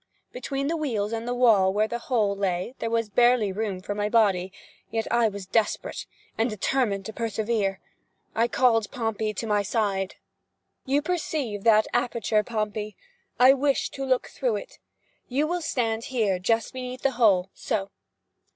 Between the wheels and the wall where the hole lay there was barely room for my body—yet I was desperate, and determined to persevere. I called Pompey to my side. "You perceive that aperture, Pompey. I wish to look through it. You will stand here just beneath the hole—so.